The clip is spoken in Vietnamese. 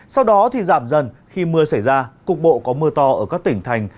sau đó thì giảm dần khi mưa xảy ra cục bộ có mưa to ở các tỉnh thành